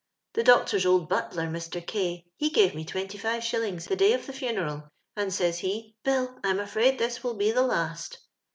Tbe doctor's old butler, Jlr. K , ho gnrc xne twenty.fivc shillings the day of the fnnond, and, says he, * Bill, I'm afraid this will be the last.'